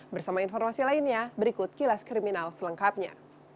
bersama informasi lainnya berikut kilas kriminal selengkapnya